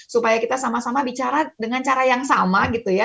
supaya kita sama sama bicara dengan cara yang sama gitu ya